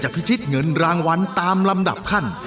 พิชิตเงินรางวัลตามลำดับขั้น